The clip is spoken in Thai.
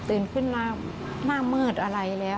ตื่นขึ้นหน้ามาเมื้ดอ่ะ